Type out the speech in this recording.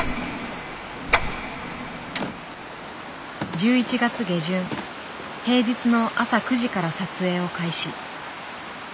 １１月下旬平日の朝９時から撮影を開始。